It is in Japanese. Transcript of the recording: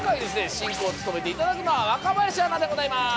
進行を務めていただくのは若林アナでございます